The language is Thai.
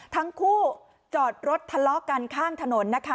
ทั้งคู่จอดรถทะเลาะกันข้างถนนนะคะ